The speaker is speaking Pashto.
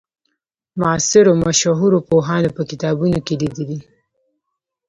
معاصرو مشهورو پوهانو په کتابونو کې لیدلې.